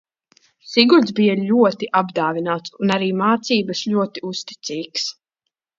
Sigurds bija ļoti apdāvināts un arī mācībās ļoti uzcītīgs.